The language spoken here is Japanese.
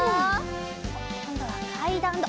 おっこんどはかいだんだ！